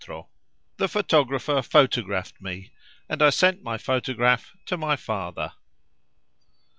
41. The photographer photographed me, and I sent my photograph to my father.